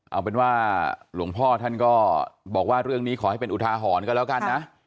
เอาเป็นว่าหลวงพ่อท่านก็บอกว่าเรื่องนี้ขอให้เป็นอุทาหรณ์กันแล้วกันนะ